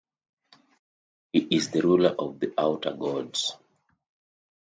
He is the ruler of the Outer Gods.